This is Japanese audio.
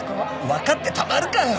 わかってたまるかよ！